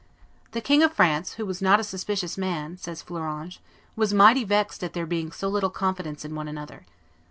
"The King of France, who was not a suspicious man," says Fleuranges, "was mighty vexed at there being so little confidence in one another.